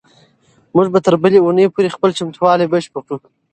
موږ به تر بلې اونۍ پورې خپل چمتووالی بشپړ کړو.